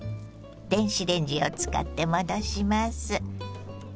電子レンジを使って戻します。